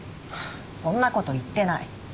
そんな事言ってない。